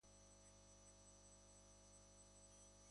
Beste kultura bat da.